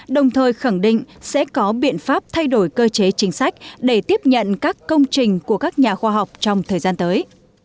đồng thời khẳng định sẽ có biện pháp thay đổi cơ chế chính sách để tiếp nhận các công trình của các nhà khoa học trong thời gian tới